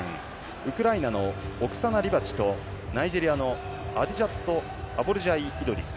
ウクライナのオクサナ・リバチとナイジェリアのアディジャット・アボルシャイ・イドリス。